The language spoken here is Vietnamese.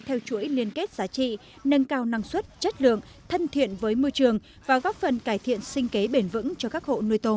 theo chuỗi liên kết giá trị nâng cao năng suất chất lượng thân thiện với môi trường và góp phần cải thiện sinh kế bền vững cho các hộ nuôi tôm